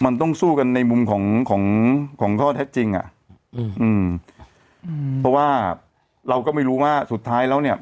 มันต้องสู้กันในมุมของของข้อเท็จจริงอ่ะอืมอืมเพราะว่าเราก็ไม่รู้ว่าสุดท้ายแล้วเนี่ย